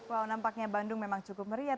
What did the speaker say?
wow nampaknya bandung memang cukup meriah